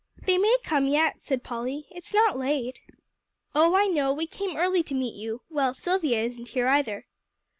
"They may come yet," said Polly; "it's not late." "Oh, I know; we came early to meet you; well, Silvia isn't here either."